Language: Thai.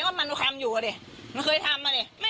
คิดว่าทำไมเขาต้องมีเจ็ดตนาแบบนั้น